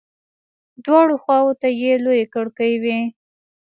دواړو خواو ته يې لويې کړکۍ وې.